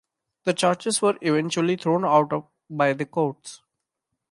The charges were eventually thrown out by the courts.